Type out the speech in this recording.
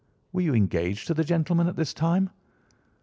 "Were you engaged to the gentleman at this time?"